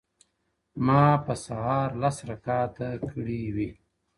o ما په سهار لس رکاته کړي وي.